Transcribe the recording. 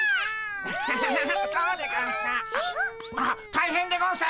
大変でゴンス！